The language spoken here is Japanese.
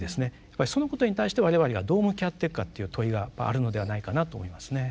そのことに対して我々がどう向き合っていくかという問いがあるのではないかなと思いますね。